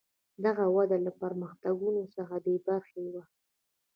دغه وده له پرمختګونو څخه بې برخې وه.